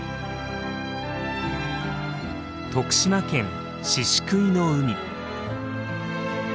徳島県宍喰の海。